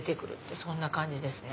そんな感じですね。